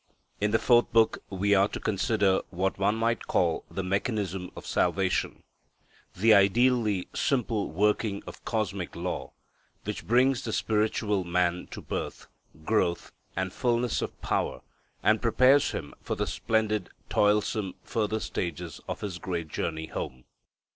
In the fourth book, we are to consider what one might call the mechanism of salvation, the ideally simple working of cosmic law which brings the spiritual man to birth, growth, and fulness of power, and prepares him for the splendid, toilsome further stages of his great journey home.